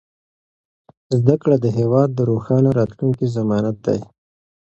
زده کړه د هېواد د روښانه راتلونکي ضمانت دی.